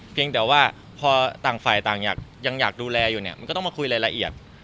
เพียงแต่ว่าพอต่างฝ่ายต่างอยากยังอยากดูแลอยู่เนี่ยมันก็ต้องมาคุยรายละเอียด